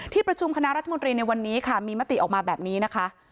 ประชุมคณะรัฐมนตรีในวันนี้ค่ะมีมติออกมาแบบนี้นะคะ